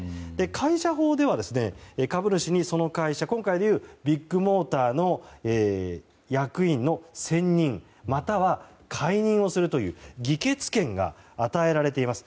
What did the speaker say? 会社法では、株主にその会社今回で言うビッグモーターの役員の選任または、解任をするという議決権が与えられています。